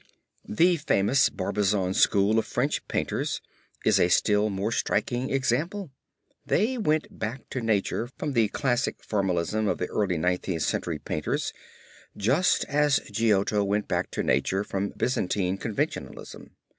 The famous Barbizon School of French Painters is a still more striking example. They went back to nature from the classic formalism of the early Nineteenth Century painters just as Giotto went back to nature from Byzantine conventionalism.